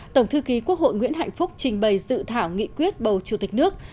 tổng thư ký quốc hội nguyễn hạnh phúc trình bày dự thảo nghị quyết bầu chủ tịch nước